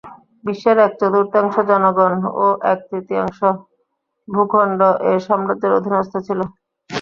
বিশ্বের এক চতুর্থাংশ জনগণ ও এক-ত্রৃতীয়াংশ ভূখণ্ড এ সাম্রাজ্যের অধীনস্থ ছিল।